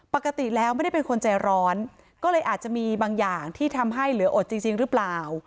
ปกติแล้วไม่ได้เป็นคนใจร้อนก็เลยอาจจะมีบางอย่างที่ทำให้เหลืออดจริงหรือเปล่า